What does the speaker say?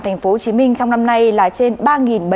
thành phố hồ chí minh trong năm nay là trên ba bảy trăm linh